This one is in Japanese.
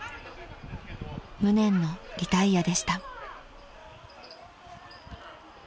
［無念のリタイアでした］